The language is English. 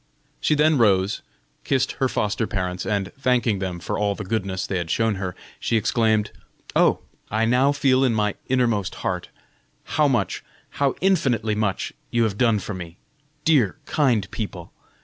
She then rose, kissed her foster parents, and thanking them for all the goodness they had shown her, she exclaimed: "Oh! I now feel in my innermost heart, how much, how infinitely much, you have done for me, dear, kind people!"